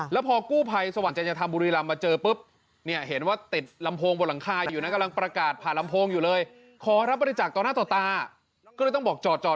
แล้วพอกู้ภัยสว่างจรรยธรรมบุรีรำมาเจอปุ๊บ